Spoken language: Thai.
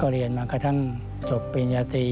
เรียนมากระทั่งจบปริญญาตรี